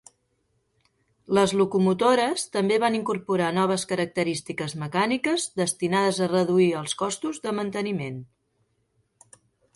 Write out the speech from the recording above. Les locomotores també van incorporar noves característiques mecàniques destinades a reduir els costos de manteniment.